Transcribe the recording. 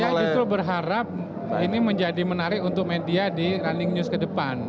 saya itu berharap ini menjadi menarik untuk media di running news kedepan